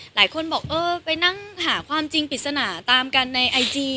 หลายคนบอกเออไปนั่งหาความจริงปริศนาตามกันในไอจี